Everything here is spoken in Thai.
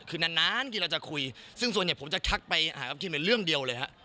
คือนานที่เราจะคุยซึ่งส่วนใหญ่ผมจะทักไปหากับทีมเป็นเรื่องเดียวเลยฮะ